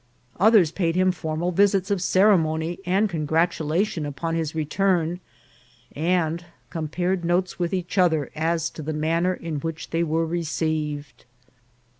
Others paid him formal visits of ceremony and congratulation upon his return, and compared notes with each other as to the manner in which they were re'ceived.